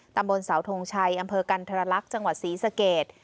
ตำบลเสาทงชัยอำเภอกันทรลักษณ์จังหวัดศรีสเกต